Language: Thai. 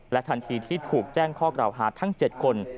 ทันทีที่ถูกแจ้งข้อกล่าวหาทั้ง๗คน